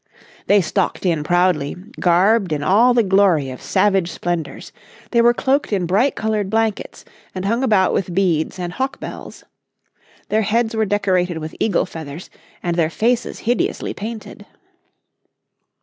They stalked in proudly, garbed in all the glory of savage splendours. They were cloaked in bright coloured blankets, and hung about with beads and hawk bells. Their heads were decorated with eagle feathers, and their faces hideously painted.